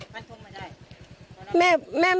แต่เราก็ไม่รู้